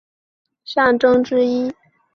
是神户港的象征之一。